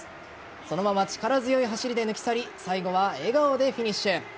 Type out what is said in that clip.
そのまま力強い走りで抜き去り最後は笑顔でフィニッシュ。